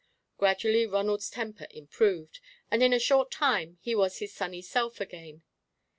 Gradually Ronald's temper improved, and in a short time he was his sunny self again.